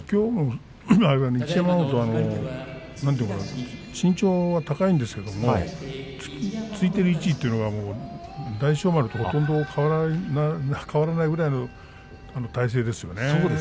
一山本は身長が高いですが突いている位置が大翔丸とほとんど変わらないぐらいの体勢ですね。